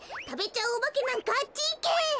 たべちゃうおばけなんかあっちいけ！